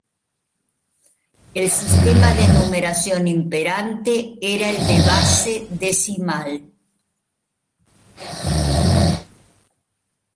El sistema de numeración imperante era el de base decimal.